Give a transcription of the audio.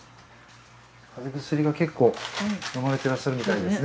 風邪薬が結構のまれてらっしゃるみたいですね。